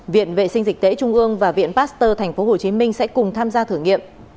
viện vệ sinh dịch tễ trung ương và viện pasteur tp hcm sẽ cùng tham gia thử nghiệm